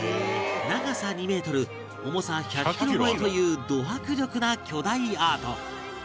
長さ２メートル重さ１００キロ超えというど迫力な巨大アート